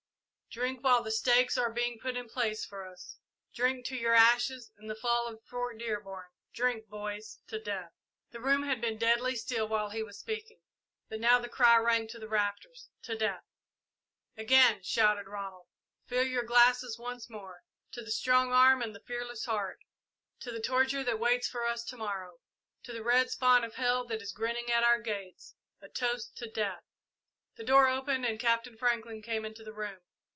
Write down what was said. Drink while the stakes are being put in place for us drink to your ashes and the fall of Fort Dearborn drink, boys to Death!" The room had been deadly still while he was speaking, but now the cry rang to the rafters, "To Death!" "Again," shouted Ronald, "fill your glasses once more! To the strong arm and the fearless heart to the torture that waits for us to morrow to the red spawn of hell that is grinning at our gates a toast to Death!" The door opened and Captain Franklin came into the room.